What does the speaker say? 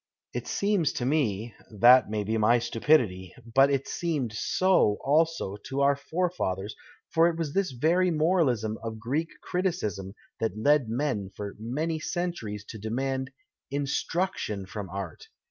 '' It seems to me — that may be my stupidity — but it seemed so, also, to our fore fathers, for it was this very moralism of Greek criticism that led men for so many centuries to demand " instruction " from art.